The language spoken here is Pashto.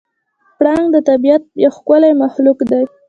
پړانګ د طبیعت یو ښکلی مخلوق دی.